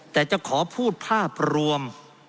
แต่จะขอพูดภาพรวม